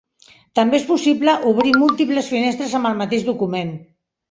També és possible obrir múltiples finestres amb el mateix document.